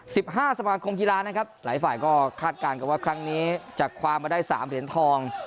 ๑๕สัปดาห์คมกีฬานะครับหลายฝ่ายก็คาดการณ์กับว่าครั้งนี้จะความมาได้๓เหรียญทอง